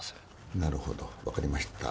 なるほど分かりました。